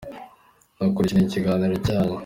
Nakurikiranye ikiganiro cyanyu.